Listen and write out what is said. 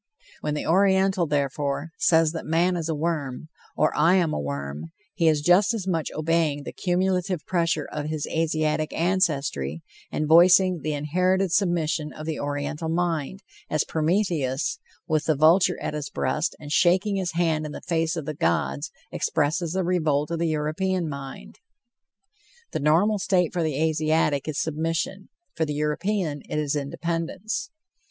When the Oriental, therefore, says that man is a worm or "I am a worm," he is just as much obeying the cumulative pressure of his Asiatic ancestry, and voicing the inherited submission of the Oriental mind, as Prometheus, with the vulture at his breast, and shaking his hand in the face of the gods, expresses the revolt of the European mind. The normal state for the Asiatic is submission; for the European it is independence.